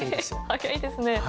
早いですね。